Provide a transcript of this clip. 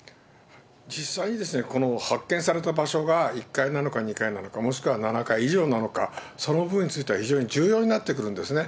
実際に、この発見された場所が、１階なのか２階なのか、もしくは７階以上なのか、その部分については非常に重要になってくるんですね。